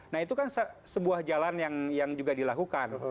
nah itu kan sebuah jalan yang juga dilakukan